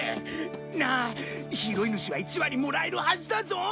なあ拾い主は１割もらえるはずだぞ。